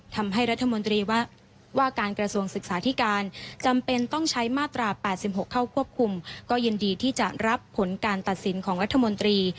ทำให้รัฐมนตรีว่าการกระทรวงศึกษาธิการจำเป็นต้องใช้มาตรา๘๖เข้าควบคุมก็ยินดีที่จะรับผลการตัดสินของรัฐมนตรี